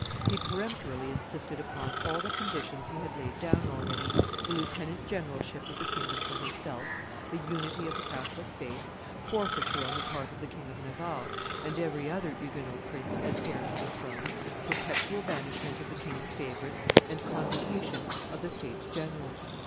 He peremptorily insisted upon all the conditions he had laid down already, the lieutenant generalship of the kingdom for himself, the unity of the Catholic faith, forfeiture on the part of the King of Navarre and every other Huguenot prince as heir to the throne, perpetual banishment of the king's favorites, and convocation of the states general.